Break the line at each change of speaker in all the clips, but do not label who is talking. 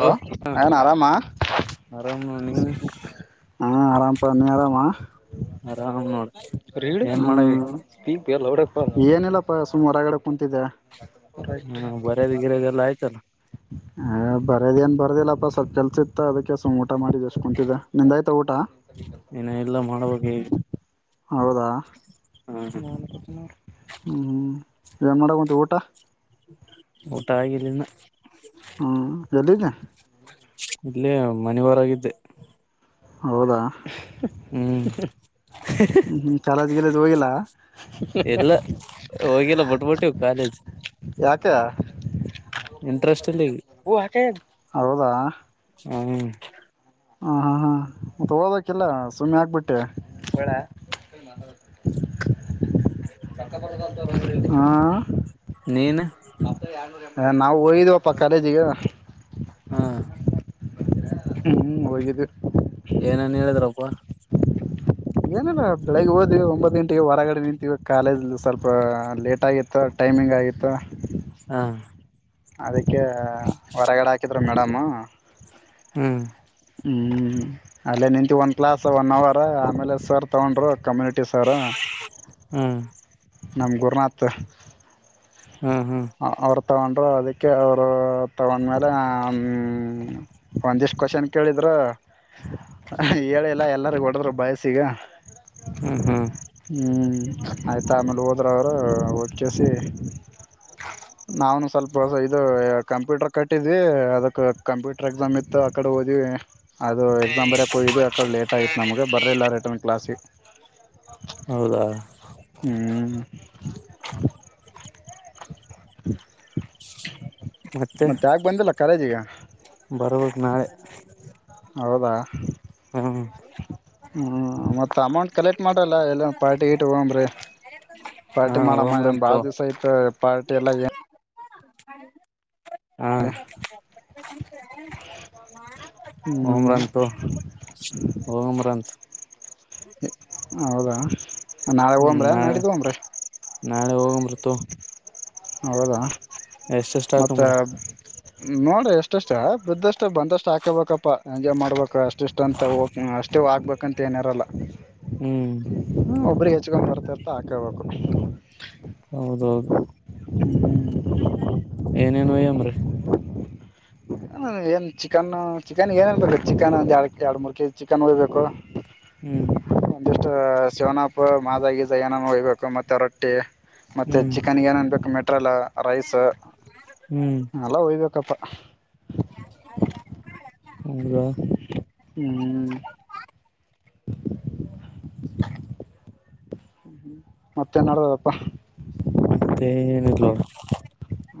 Hello ಹನ್ ಆರಾಮಾ
ಆರಾಮ್ ನೋ ನೀ
ಹಾ ಆರಾಮ್ಪ ನೇರಾಮಾ
ಆರಾಮ್ ನೋಡ ಏನ್ ಮಾಡಬೇಕ
ಹ್ಮ ಏನಿಲ್ಲಪ್ಪ ಸುಮರಗಡೆ ಕುಂತಿದ್ದ
ಹ ಬರಯದ ಗಿರಯದ ಎಲ್ಲ ಆಯ್ತಲ್ಲ
ಹಬ ಅದಏನ್ ಬರ್ದಿಲ್ಲಪ್ಪಾ ಸ್ವಪ ಕೆಲ್ಸಿತ್ತ ಅದಕ್ಕೆ ಸ ಊಟ ಮಾಡಿ ಎಷ್ಟು ಕುಂತತಿದ್ದ ನಿಂದ ಆಯ್ತಾ ಊಟ
ಇನ ಎಲ್ಲಾ ಮಾಡಬೇಕ
ಹೌದಾ ಹ್ಮ ಏನ್ ಮಾಡೋಡ ಉಂಂತ ಊಟ
ಊಟ ಆಗಲಿನ
ಹ್ಮ್ ಯದಿಗ
ಇಲ್ಲೇ ಮನಿವರಾಗಿದ್ದೆ
ಹೌದಾ
ಹ್ಮ್
ಕಾಲಜಿಗೆಲ ದವಲ್ಲ
ಎಲ್ಲ ಹೋಗಿಲ್ಲ ಬಿಟ್ಬಿಟ್ಟಿವ್ ಕಾಲೇಜ್
ಯಾಕ
ಇಂಟ್ರೆಸ್ಟ್ ಇಲ್ಲ ಈಗ
ಹೌದಾ
ಹಾ
ಹಾ ಹಾ ಹಾ ಮತ್ತೆ ಓದಕಿಲ್ಲ ಸುಮ್ಮನೆ ಆಕ್ಬಿಟ್ಟೆ ಹ
ನೀನು
ಹ ನಾವು ಹೋಗಿದೀವಪ್ಪ ಕಾಲೇಜಿಗೆ
ಹಾ
ಹ್ಮ್ ಹೋಗದು
ಏನನ್ ಹೇಳಿದ್ರಪ್ಪ
ಏನಲ್ಲ ಬೆಳಿಗ್ಗೆ ಹೋದ್ವಿ ಒಂಬತ್ತು ಗಂಟೆಗೆ ಹೊರಗಡೆ ನಿಂತೀವಿ ಕಾಲೇಜ್ ಸ್ವಲ್ಪ ಲೇಟ್ ಆಗಿತ್ತ ಟೈಮಿಂಗ್ ಆಗಿತ್ತು
ಹಾ
ಅದಕ್ಕೆ ಹೊರಗಡೆ ಹಾಕಿದ್ರ ಮೇಡಮ್
ಹ್ಮ್
ಹ್ಮ್ ಅಲ್ಲೇ ನಿಂತು ಒಂದು ಕ್ಲಸ್ ಒನ್ ಅವರ್ ಆಮೇಲೆ ಸರ್ ತಗೊಂಡ್ರು ಕಮ್ಯುನಿಟಿ ಟ ಸಾರಾ
ಹ್ಮ್
ನಮ್ಮ ಗುರುನಾಥ
ಹಾ ಹಾ
ತಗೊಂಡರು ಅದಕ್ಕೆ ಅವರು ತಗೊಂಡ್ಮೇಲೆ ಒಂದಿಷ್ಟ ಕ್ವಶನ್ ಕೇಳಿದ್ರರು ಹ ಹೇಳಿಲ್ಲ ಎಲ್ಲಾರ ಹೊಡದ್ರ ಬಯಸಿಗ
ಹ್ಮ್ ಹ್ಮ್
ಹ್ ಆಯತಾ ಆಮೇಲೆ ಓದ್ರ ಅವರು ಒದೇಸ ನಾವನು ಸ್ವಲ್ಪ ಹೊಸ ಇದು ಕಂಪ್ಯೂಟರ್ ಕಟ್ಟಿದ್ವಿ ಅದಕ್ಕ ಕಂಪ್ಯೂಟರ್ ಎಕ್ಸಾಮ ಇತ್ತು ಅಕ್ಕಡೆ ಓದಿ ಅದು ಎಕ್ಸಾಮ್ ಬರಯ ಹೋಗು ಅಕಡೆ ಲೇಟ್ ಆಯ್ತ್ ನಮಗೆ ಬರಲಲ್ಲ ರಿಟರ್ನ್ ಕ್ಲಾಸಿಗೆ
ಹೌದಾ
ಹ್ಮ್ ಮತ್ತೆ ಯಾಕ್ ಬಂದಿಲ್ಲ ಕಾಲೇಜಿಗೆ
ಹ
ಹೌದಾ
ಹ್ಮ
ಹ್ಮ್ ಮತ್ತ ಅಮೌಂಟ್ ಕಲೆಕ್ಟ್ ಮಾಡಲ್ಲ ಎಲ್ಲ ಪಾರ್ಟಿ ಇಟ್ಟ ಹಂಬ್ರಿ
ಹಾ
ಪಾರ್ಟಿ ಮಾಡಮ್ಮ ಏ ಭಳ
ಹೋಮ್ರಂತು
ದಿವ್ಸ ಆಯತ ಪಾರ್ಟಿ ಎಲ್ಲ ಏನ್
ಹ್ಮ
ಹ್ಮ್
ಓಮ್ರಂತು ಓಮ್ರಂತು
ಹೌದಾ ನಾಳೆ
ಹ್ಮ್
ಹೋಮ್ರ
ನಾಳೆ
ನಡಿದ ಹನ್ ರಿ
ನಾಳೆ ಹೋಗಂಬರ್ತ ಎಸ್ ಎಸ್
ಮತ್ತು ನೋಡ್ರಿ ಎಷ್ಟಷ್ಟ ಬಿದ್ದಷ್ಟು ಬಂದಷ್ಟು ಹಾಕೇಬೇಕಪ್ಪಾ ಎಂಜಾಯ್ ಮಾಡ್ಬೇಕು ಅಷ್ಟು ಇಷ್ಟ ಅಂತ ಅಷ್ಟೆ ಆಗ್ಬೇಕಂತ ಏನಿರಲ್ಲ
ಹ್ಮ್
ಒಬ್ರಿಗೆ ಹೆಚ್ಕೊಂಡ್ ಬರ್ತಿರ್ತ [unintelligible] ಹಾಕೇಳ್ಬೇಕು
ಹೌದ
[inaudible] [unintelligible]
ಏನೇನು ವಯ್ಯಮ್ರಿ
ಏನ್ ಚಿಕನ್ ಚಿಕನ್ ಏನನ್ಬೇಕು ಚಿಕನ್ ಎರಡ್ ಎರಡು ಮೂರ್ ಕೆಜಿ ಚಿಕನ್ [unintelligible] ದ್ಬೇಕು
ಹ್ಮ್
ಒಂದಿಷ್ಟು ಶವನಪ್ಪ ಮಾದಗಜ ಏನ ಹೊಯಬೇಕು ಮತ್ತೆ ರೊಟ್ಟಿ ಮತ್ತೆ
ಹ್ಮ್
ಚಿಕನ್ ಏನ್ ಅನ್ಬೇಕು ಮೆಟ್ರಲ್ಲ ರೈಸ್
ಹ್ಮ್
ಎಲ್ಲ ಒಯ್ಬೇಕಪ್ಪ [inaudible] [unintelligible]
ಹೌದ
ಹ್ಮ್ [unintelligible] ಮತ್ತೆ ನಡುವದಪ್ಪಾ
ಮತ್ತೆ ಏನಿಲೋ [unintelligible]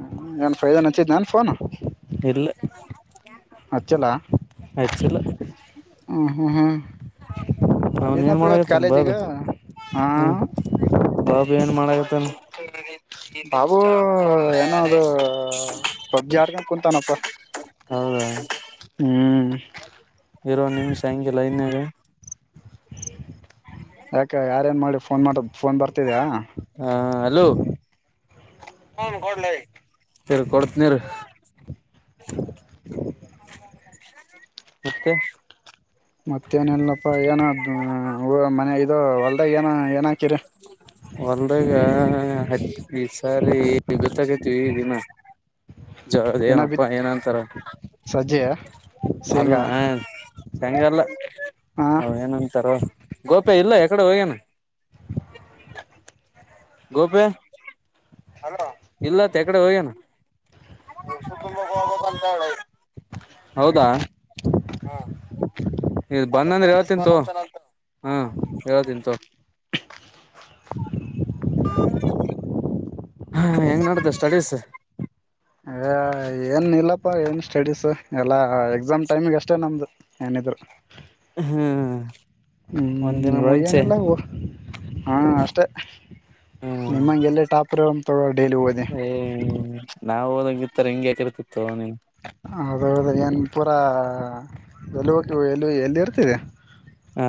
ಹ್ಮ ಏನ್ ಫ್ರೈದನ್ ಅಚಿದ್ದ್ ನನ್ ಫೋನ್
ಇಲ್ಲ
ಹಚಲ್ಲ
ಹಚ್ಚಿಲ್ಲ
ಹ ಹಾ ಹಾ
ಅವನ್ ಏನ್ ಮಾಡಗತ್ತನ್ ಬಾಬಿ
ಹಾ
ಹ್ಮ ಬಾಬಿ ಏನ್ ಮಾಡತ್ತ ಹ
ಬಾಬೂ ಏನೋ ಅದು ಪಬ್ಜಿ ಹಡ್ಕೊಂಡ ಕುೂಂತಾನಪ್ಪ
ಹೌದ
ಹ್ಮ್
ಇರು ಅಂಗೆ ಒಂದ್ ನಿಮಿಷ ಅಂಗೆ ಲೈನ್ನಾಗ
ಯಾಕ ಯಾರೇಏನ್ ಮಾಡಿ ಫೋನ್ ಮಾಡ ಫೋನ್ ಬರ್ತಿದ್ಯಾ
ಹ ಹಲೋ [unintelligible] ಇರು ಕೊಡ್ತೀನಿ ಇರು ಮತ್ತೆ
ಮತ್ತೇನಲ್ಲಪ್ಪಾ ಏನ ಮನೆ ಇ ಹೊಲ್ದಾಗ ಏನ ಏನ ಹಾಕಿರಿ
ಹೊಲ್ದಗ ಹ ಈ ಸಾರಿ ಗತ್ತಕೈತಿವಿ ದಿನ [unintelligible] ಜರದ
ಏನ
ಏನಪ್ಪಾ
ಬಿತ್
ಏನಂತಾರ
ಸಜ್ಜೆ
ಅಲ್ಲ
ಶೇಂಗಾ
ಹ ಚಂಗಲ್ಲ [unintelligible]
ಹಾ
ಹ ಏನಂತಾರ ಗೋಪ್ಯ ಇಲ್ಲ ಯಕಡೆ ಹೋಗ್ಯನ ಗೋಪೆ ಇಲ್ಲತ್ತಕಡೆ ಹೋಗ್ಯನ ವಷ ತುಂಬ ಹೋಗದ ಅಂತ ಹೇಳಿ [unintelligible] ಹೌದಾ
[inaudible] [unintelligible]
ಇ ಬಂದಂದ್ರೆ ಹೇಳನ್ ತಿಂತು ಹಾ ಹೇಳನ್ ತಿಂತು
[inaudible] [unintelligible]
ಹಾ ಹೆಂಗ್ ನಡ್ದ ಸ್ಟಡೀಸ್
ಅ ಏನ್ ಇಲ್ಲಪ್ಪಾ ಏನ್ ಸ್ಟಡೀಸ್ ಎಲ್ಲಾ ಎಕ್ಸಾಮ್ ಟೈಮಗೆ ಅಷ್ಟೇ ನಮ್ದು ಏನಿದ್ರು
ಹ್ಮ
ಹ್ಮ್ ನೀವಗೆನಲ್ಲೋಗುವ ಹಾಂ ಅಷ್ಟೆ
ಹ್ಮ್
ನಿಮ್ಮಂಗೆ ಎಲ್ಲ ಟಾಪರ್ ಅಲ್ಲ [unintelligible] ತಗೋ ಡೈಲಿ ಓದಿ
ಹ್ಮ್ ನಾವ್ ಹೋದತ್ತರ್ ಹೆಂಗಗೆ ಯಾಕಿರ್ತಿತ್ತು ನೀ
ಹೌದೌದು ಏನ್ ಪೂರಾ ಎಲಕ ಎಲ್ಲಿ ಎಲ್ಲಿ ಇರ್ತಿದೆ
ಹಾ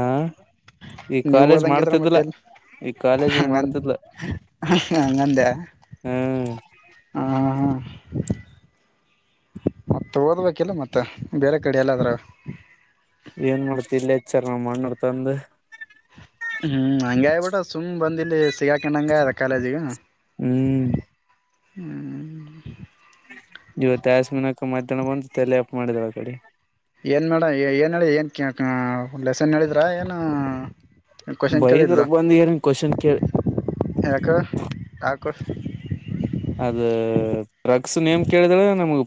ನೀವು ಓದಂಗಿದ್ರ ಮತ್ತೆ ಎಲ್ಲ
ಈ
[unintelligible]
ಕಾಲೇಜಿಗೆ
ಹಂಗ
ಮಾಡ್ತಿದ್ಲ
[unintelligible] ಹಂಗಂತ
ಹ್ಮ್
ಹಾ ಹಾ ಮತ್ತ ಓದ್ಬೇಕಿಲ್ಲ ಮತ್ತೆ ಬೇರೆ ಕಡೆ ಎಲ್ಲಾದ್ರೂ
ವಿಚಾರ ಮಾಡ್ ನೋಡ್ ತಂದ
ಹ್ಮ್ ಹಂಗ ಆಬಿಟ ಸುಮ್ ಬಂದಿಲ್ಲಿ ಸಿಗಾಕಂಡ್ ಹಂಗ ಆದ ಕಾಲೇಜಿಗ
ಹ್ಮ್
ಹ್ಮ್
ಇವ ತ ಆಸ್ಮಿನಕ ಮತಣ ಬಂದು ತಲೆ ಅಪ್ಪ ಮಾಡಿದ್ ಆ ಕಡೆ
ಏನ್ ಮೇಡ ಏನ್ ಹೇಳಿ ಏನ್ ಲೆಸನ್ ಹೇಳಿದ್ರ ಏನು ಕಷನ್ ಕೇಳ
ಬೈದ್ರ ಬಂದ್ ಏನ್ ಕ್ವಶನ್ ಕೇಳ
ಯಕ ಯಕ
ಅದ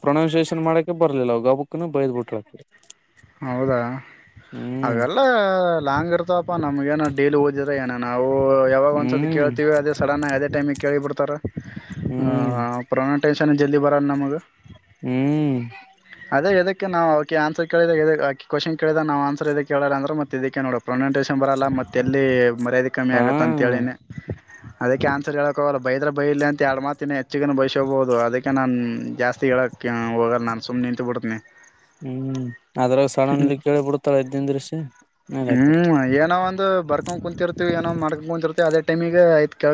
ಪ್ರೊನೌಸಿಯೇನ್ ಮಾಡಕ ಬರ್ಲಿಲ್ಲ ಅವವು ಗಬುಕ್ ಬೈದ್ ಬಿಟ್ರಾಕ
ಹೌದಾ ಅವೆಲ್ಲ ಲಾಂಗ್ ಇರ್ತಪ ನಮ್ಗ ಏನ ಡೇಲಿ ಓದಿದ್ರ ಏನ ನಾವು ಯಾವಾಗ ಒಂದ್ಸತಿ
ಹ್ಮ್
ಕೇಳ್ತೀವಿ ಅದೇ ಸಡನ್ನ ಅ ಟೈಮಿಗೆ ಕೇಳಿ ಬಿಡ್ತಾರೆ ಹ
ಹ್ಮ್
ಪ್ರನೋಟೆಯೇಷಮ್ ನ್ ಜಲ್ದಿ ಬರ ನ ಮಗ
ಹ್ಮ್
ಅದೇ ಇದದಕ್ಕೆ ನಾವು ಅವಕ ಆನ್ಸರ್ ಕೇಳಾಗ ಕ್ವಶನ್ ಕೇಳಿದ ನಾ್ ಆನ್ಸರ್ ಇದ ಹೇಳಾರ ಅಂದ್ರೆ ಮತ್ತೆ ಇದಕ್ಕೆ ನೋಡ ಪ್ರೊಂಟೇಷನ್ ಬರಲ್ಲ ಮತ್ತ ಎಲ್ಲಿ ಮರ್ಯಾದೆ ಕಮ್ಮಿ
ಹಾ
ಆಗತ್ತ ಅಂತೇಳನೆ ಅದಕ್ಕೆ ಆನ್ಸರ್ ಹೇಳಕ್ಗಲ್ಲ ಬೈದ್ರ ಬೈ ಇಲಿ ಅಂತ ಎರಡು ಮಾತಿನ ಹೆಚ್ಚುಗ ಬಯಸಬಹುದು ಅದಕ್ಕೆ ನಾನ್ ಜಾಸ್ತಿ ಕೇಳಕ್ಕೆ ಹೋಗಲ್ಲ ನಾನು ಸುಮ್ಮನೆ ನಿಂತು ಬಿಡ್ತೀನಿ
ಹ್ಮ್ ಅದ್ರಾಗ ಸಡನ್ಲಿ ಕೇಳಿ ಬಿಡ್ತಲ್ಲ ಇದ್ನ್ರಷ
ಹ್ಮ್ ಏನಾವ ಒಂದು ಬರ್ಕೊ ಕುಂತರ್ತ್ತ ಏ ಮಾಡ್ಕೊಂಡಂತಿರುತ್ತೆ ಅದೇ ಟೈಮಗ ಆಯ ಕ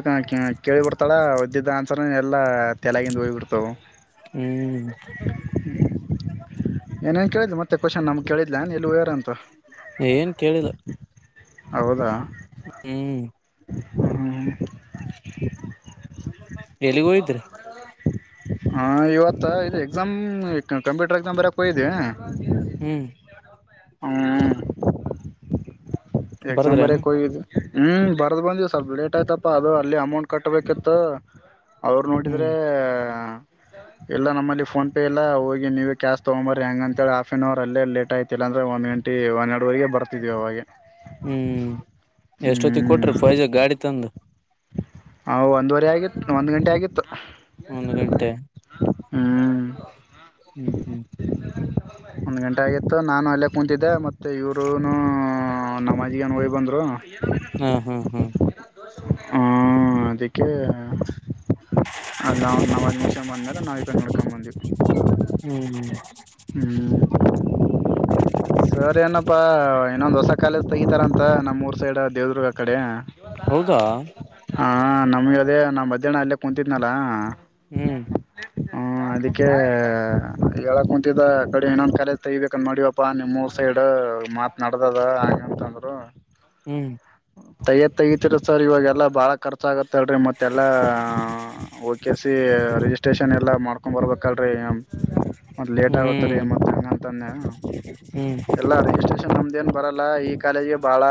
ಕೇಳಿ ಬಿತಳದ್ದಿದ್ದ ಅನ್ಸ ಎಲ್ಲ ಚಲಾಗಿಂದು ಹೋಗಿ ಬಿಡ್ವವು
ಹ್ಮ್
ಕ್ವನ್ ನಮ ಕೇಳಿದ್ದ ಇ
ಏನ್ ಕೇಳಿಲ್ಲ
ಹೌದಾ
ಹ್ಮ್
[inaudible]
ಎಲ್ಲಿಗೋಯಿದ್ರ
ಹಾ ಇವತ್ತ ಇದು ಎಕ್ಸಾಮ್ ಕಂಪ್ಯೂಟರ್ ಎಕ್ಸಾಮ್ ಬರಕ್ ಹಯವಿ
ಹ್ಮ್
ಹ್ಮ [inaudible] ಎಸಾಮ ಬರೆ
ಬರದ್ರೇನು
ಕೊಗಿದೆ ಹ್ಮ್ ಬರದ್ ಬಂದಿವವಿ ಸ್ವಲ್ಪ ಡೇಟ್ ಆಯ್ತಪ್ಪಾ ಅದು ಅಲ್ಲಿ ಅಮೌಂಟ್ ಕಟ್ಬೇಕಿತ್ತು ಅವ್ರು
ಹ್ಮ್
ನೋಡಿದ್ರೆ ಇಲ್ಲ ನಮ್ಮಲ್ಲಿ ಫೋನ್ ಪೇ ಇಲ್ಲ ಹೋಗಿ ನೀವೇ ಕ್ಯಾಶ್ ತಗೊಂಬರಿ ಹೆ್ಯಾಂಗ ಅಂತೇಳಿ ಹಫ್ ಆನ್ ಅವರ್ ಅಲ್ಲೇ ಲೇಟ್ ಆಯ್ತು ಇಲ್ಲಂದೆ ಒಂದು ಗಂಟಿ ಒಂದ ಎರಡವರೆಗೆ ಬರ್ತೀವಿ ಅವಾಗ
ಹ್ಮ್ ಎಷ್ಟೊತ್ತಿಗೆ
ಹ್ಮ್
ಕೊಟ್ರಿ ಪಫೈಜಾ ಗಾಡಿ ತಂದು
ಹ ಒಂದುವರೆ ಆಗಿತ್ತು ಒಂದ್ ಗಂಟೆ ಆಗಿತ್ತು
ಒಂದು ಗಂಟೆ
ಹ್ಮ್
ಹ್ಮ್ ಹ್ಮ್
ಒಂದು ಗಂಟೆ ಆಗಿತ್ತು ನಾನು ಅಲ್ಲೇ ಕೂಂತಿದ್ದೆ ಮತ್ತು ಇವರುೂ ನಮಾಜಗಏನು ಹೋಗಿ ಬಂದರು
ಹಾ ಹಾ್ ಹ್ಮ್
ಹ್ಮ ಅದಕ್ಕೆ ಅ ನವಾಜ್ ಮುಷನ್ ಬಂದ್ಮೇಲೆ ನಾಲ್ಕ ನಾಲ್ಕಾ ಮಂದಿ
ಹ್ಮ್ ಹ್ಮ್
[inaudible] ಸರಿ ಏನಪ್ಪಾ ಇನ್ನೊಂದು ಹೊಸ ಕಾಲೇಜ ತೆಗಿತಾರಾಂತ್ ಅಂತ ನಮ್ಮೂಊರ್ ಸೈಡ್ ದೇವದುರ್ಗ ಕಡೆ
ಹೌದಾ
ಹಾ ನಮ್ಗೆ ಅದೇ ನಾವು ಮಧ್ಯಾಹ್ನ ಅಲ್ಲೇ ಕುಂತಿತಿದ್ನಲ್ಲ
ಹ್ಮ್
ಹ ಅದಕ್ಕೆ ಹೇಳ ಕುಂತಿದ್ದ ಕಡೆ ಇನ್ನೊಂದು ಕರೆಜ್ ತೆಗಬೇಕ ನೋಡವಪ್ಪಾ ನಿಮ್ಮ ಸೈಡ್ ಮಾತ್ ನಡದದ ಹಂತಂದರು
ಹ್ಮ್
ತೈಯ ತೆಗತಿರ ಸರ್ ಇವಾಗೆಲ್ಲ ಬಾಳ ಖರ್ಚಾಗುತ್ತೆ ಲ್ರಿ ಮತ್ತೆಲ್ಲ ಓ ಕೆ ಸಿ ರಿಜಿಸ್ಟ್ರೇಷನ್ ಎಲ್ಲ ಮಾಡ್ಕೊಂಡ್ ಬರ್ಬೇಕಲ್ರರಿ ಮತ್ತ ಲೇಟ್ ಆಗತ್ತರಿ
ಹ್ಮ್
ಮತ್ತ ಹಂಗಂತಂದೆ
ಹ್ಮ್
ಎಲ್ಲಾ ರಿಜಿಸ್ಟ್ರೇಷನ್ ನಮ್ದ ಬರಲ್ಲ ಈ ಕಾಲೇಜ್ಗೆ ಬಾಳ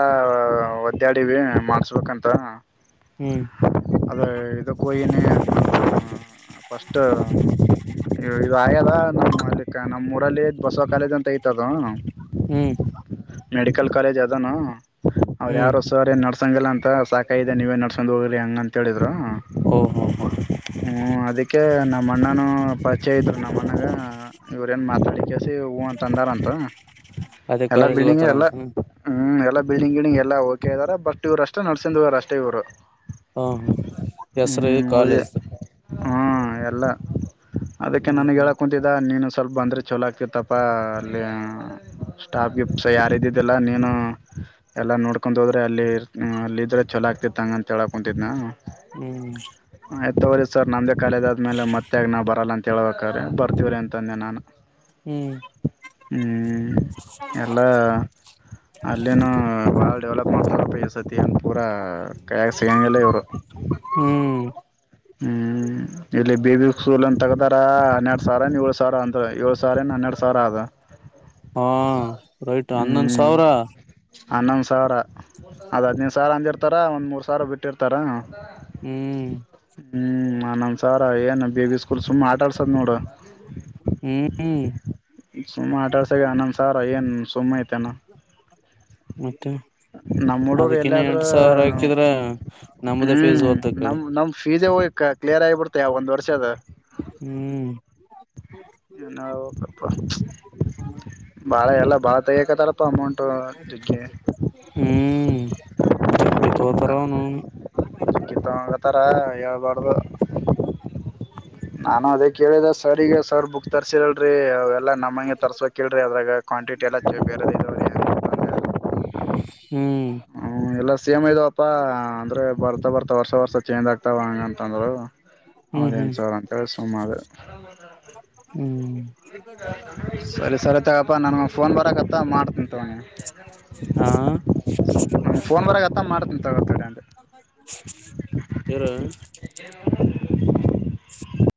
ಒದ್ದ್ಯಾಡವಿ ಮಾಡಸ್ಬೇಕಂತ
ಹ್ಮ್
ಅದು ಇಕ್ಕನ ಫಸ್ಟ್ ಇದು ಆಯಲ್ಲ ನಮ್ಮ ಅ ನಮ್ಮ್ ಮೂಊರಲ್ಲಿಬಸವ ಕಾಲದ ಅಂತ ಐತದ
ಹ್ಮ್
ಮೆಡಿಕಲ್ ಕಾಲೇಜ್ ಅದನು ಅವ್ರು
ಹ್ಮ್
ಯಾರು ಸರ್ ಏನ್ ನಡ್ಸಂಗಿಲ್ಲ ಅಂತ ಸಾ ಕೈದೆ ನೀವ ನಸೊಂಡ ಹೋಗ್ರಿ ಹಂಗ ಅಂತ ಹೇಳಿದ
ಓ ಹೋ ಹಾ
ಅಕೆ ನಮ್ಮ ಅಣ್ಣನೂ ಪರಿಚಯ ಇದರು ನಮ್ಮ ಅಣ್ಣಾಗ ಇವ್ರೇಏನು ಮಾತಾಡಿ ಕೆಸ ಹೂ ಅಂತ ಅಂದಾರಂತ
ಅದೇ
ಎಲ್ಲ
ಕಾಲೇಜ್ಗೆ
ಬಿಲ್ಡಿಂಗ್ ಎಲ್ಲ
ಹೋಗ್ತಾರಂತ
ಹ್ಮ ಎಲ್ಲ ಬಿಲ್ಡಿಂಗ್ ಗಿಡಿಂಗ ಎಲ್ಲ ಹೋಗಿ ಇದ್ದಾರೆ ಬಟ್ ಇವರು ಅೇ ನಡ್ಸ್ ಹವರ ಅಷ್ಟೇ ಇವರು
ಹಾ ಹೆಸರು
ಉಳಿದೆ
ಕಾಲೇಜ್ದ
ಹ್ಮ್ ಎಲ್ಲ ಅದಕ್ಕೆ ನನ್ಗ್ ಹೇಳ
ಹ್ಮ್
ಕುಂತಿದ್ದ ನೀನು ಸ್ವಲ್ಪ ಬಂದ್ರೆ ಚಲೋಕತ್ತಪ್ಪ ಅಲ್ಲಿ ಸ್ಟಾಫ್ಗೆ ಸ ಯಾರ್ದಿದ್ದಲ್ಲ ನೀನು ಎಲ್ಲಾ ನೋಡ್ಕೊಂಡ್ ಹೋದ್ರೆ ಅಲ್ಲಿ ಅಲ್ಲಿ ಇದ್ರೆ ಚಲ ಆಗ್ತಿತ್ತುಂಗ ಅಂತ ಹೇಳಕ ಕುಂತಿದ್ ನ
ಹ್ಮ್
ಸರ್ ನಮ್ಮದೇ ಕಾಲೇದಾದ್ಮೇಲೆ ಮತ್ತೆೆ ನಾವು ಬರಲ್ಲ ಅಂತ ಹೇಬೇಕ್ರೆ ಬರ್ತೀವ್ರೀ ಅಂತಂದೆ ನಾನು
ಹ್ಮ್
ಎಲ್ಲ ಅಲ್ಲೇನು ಭಾಳ ಡೆವಲಪ್ ಮಾಡ್ತಾರ ಪ ಎ ಸತಿ ಏನ್ ಪೂರ ಕಾಗ ಸಿಗಂಗಗೆಲ್ಲ ಇವರು
ಹ್ಮ್
ಹ್ಮ್ ಇಲ್ಲಿ ಬಿಬಿ ಸೂಲ್ ಅಂತ ತಗದಾರ ಹನ್ನೆರಡ್ ಸಾವಿರನ್ ಏಳ್ ಸಾವಿರ ಅಂತ ಏಳ್ ಸಾವಿ ಏನ್ ಹನ್ನೆರಡ್ ಸಾವಿರ ಆದದ
ಹಾ ರೈಟ್ ಹನ್ನೊಂದ
ಹ್ಮ್
ಸಾವಿರ
ಹನ್ನೊಂದು ಸಾವಿರ ಅದು ಹದಿನೈದು ಸಾವಿರ ಅಂದಿರ್ತಾರ ಒಂದು ಮೂರು ಸಾವಿರ ಬಿಟ್ಟಿರ್ತಾರಾ
ಹ್ಮ್
ಹ್ಮ್ ನನ್ಸಾರ ಏ ನ ಬೇಬಿ ಸ್ಕೂಲ್ ಸುಮ್ ಆಟಾಡ್ತ ಸದ ನೋಡುು
ಹ್ಮ್
ಆಟಾಡ್ಸಾಗ ಆನಂದ ಸಾರ್ ಏನ್ ಸುಮ್ ಐತೆನ
ಮತ್ತೆ
ನಮ್ ಹುಡುಗ್ರು
ಅದಕ್ಕಿನ್ನು ಎಂಟ ಸಾವಿರ
ಎಲ್ಲಾದ್ರೂ
ಹಾಕಿದ್ರ ನಮದೇ ಫೀಸ್ ಓದ್ದ ಕಳಿ
ಫೀಸೇ ಹೋಗಿ ಕ್ಲಿಯರ್ ಆಗಿಬಿಡ್ತೆ ಒಂದು ವರ್ಷದದು
ಹ್ಮ್
ನಪ್ಪ ಬಾಳ ಎಲ್ಲ ಭಾಳ ತಗಕತಾರಪ್ಪ ಅಮೌಂಟ್ ಡ್ಗೆ
ಹ್ಮ್ ಜಗ್ಗೆ ತೋತಾರ ನ
ಗತಂಗ ತರ ಎಳ್ ಬಾರ್ದ ನಾನು ಅದೇ ಕೇಳಿದೆ ಸರ್ ಈಗ ಸರ್ ಬುಕ್ ತರ್ಸಿರಲ್ರೀ ಅವೆಲ್ಲ ನಮ್ಮಂಗ ತರ್ಸ್ಬೇಕಕ್ ಕೇಳ್ರಿ ಅದ್ರಾಗ ಕ್ವಾಂಟಿಟಿ ಎಲ್ಲ ಜ ಬರೆದ
ಹ್ಮ್
ಎಲ್ಲಾ ಸೇಮ್ ಇದವಪ್ಪಾ ಅಂದ್ರೆ ಬರ್ತಾ ಬರ್ತಾ ವರ್ಸ ವರ್ಷ ಚೇಂಜ್ ಆಗ್ತಾವ ಹಂಗ ಅಂತಂದ್ರು
ಹ್ಮ್ ಹ್ಮ್
ಹೌದೇನ ಸರ ಕೆ ಸಮ್ಮ ಅದು
ಹ್ಮ್
ಪಪ್ಪಾ ನನ್ಗೆ ಫೋನ್ ಬರಕತ್ತಾ ಮಾಡ್ತೀನಿ ತಗಿ
ಹಾ.
ಫೋನ್ ಬರಗೆ ಹತ್ತ ಮಾಡ್ತೀನಿ ತಗೋತೀರ ಅೆ
ಇವರಾರ್